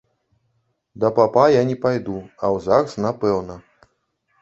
Да папа я не пайду, а ў загс напэўна.